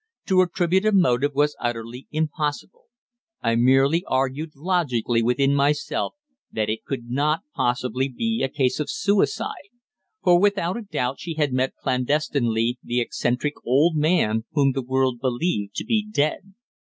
To attribute a motive was utterly impossible. I merely argued logically within myself that it could not possibly be a case of suicide, for without a doubt she had met clandestinely the eccentric old man whom the world believed to be dead.